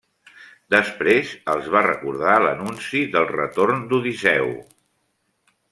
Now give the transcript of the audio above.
Després els va recordar l'anunci del retorn d'Odisseu.